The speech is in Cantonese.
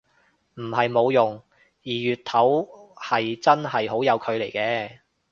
唔係冇用，二月頭係真係好有距離嘅